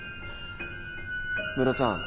ムロちゃん。